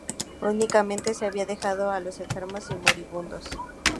Únicamente se había dejado a los enfermos y moribundos.